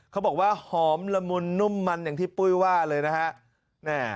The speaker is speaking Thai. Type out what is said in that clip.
เขาบอกว่าหอมละมุนนุ่มมันอย่างที่ปุ้ยว่าเลยนะฮะ